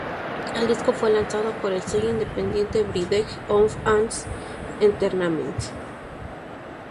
El disco fue lanzado por el sello independiente "Bridge of Hands Entertaiment.